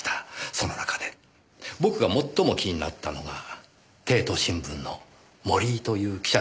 その中で僕が最も気になったのが帝都新聞の森井という記者の方です。